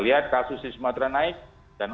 lihat kasus di sumatera naik dan